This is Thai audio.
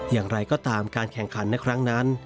อย่างไรก็ตามการแข่งขันในครั้งนั้น